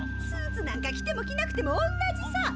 スーツなんか着ても着なくても同じさ！